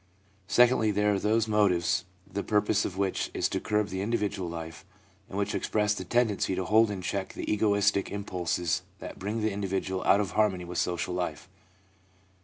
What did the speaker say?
Secondly, there are those motives, the purpose of which is to curb the individual life, and which express the tendency to hold in check the egoistic impulses that bring the individual out of harmony with social life.